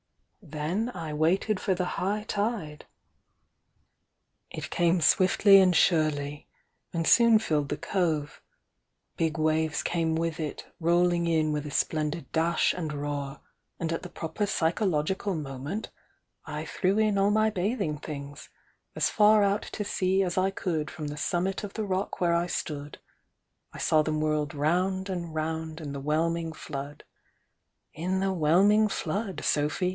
Then I waited for the high tide. It came swiftly and surely, and soon filled the cove, — big waves came with it, roll ing in with a splendid dash and roar, and at the proper psychological moment, I threw in all my bathing things, as far out to sea as I could from the summit of the rock where I stood — I saw them whirled round and round in the whelming flood! — in the whelming flood, Sophy!